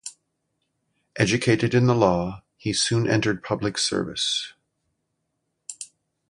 Educated in the law, he soon entered public service.